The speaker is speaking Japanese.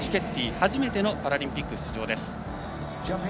初めてのパラリンピック出場です。